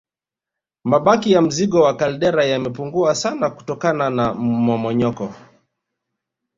Mabaki ya mzingo wa kaldera yamepungua sana kutokana na mmomonyoko